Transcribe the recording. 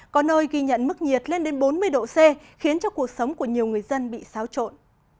có nơi ghi nhận mức nhiệt lên đến bốn mươi độ c khiến cho cuộc sống của nhiều người dân bị xáo trộn